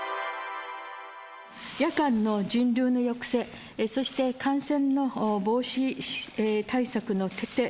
夜間の人流の抑制、そして感染の防止対策の徹底。